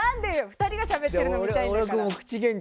２人がしゃべってるの見たいのに。